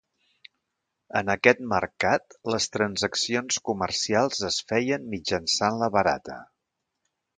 En aquest mercat les transaccions comercials es feien mitjançant la barata.